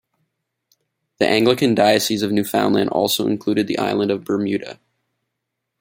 The Anglican diocese of Newfoundland also included the island of Bermuda.